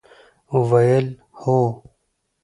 ویل ، هو!